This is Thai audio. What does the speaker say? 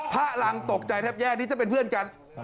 พระหลังตรกใจแทบแย่ที่จะเป็นเพื่อนกัน